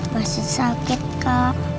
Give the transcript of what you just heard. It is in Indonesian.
masih sakit kak